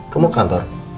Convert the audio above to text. kamu ke kantor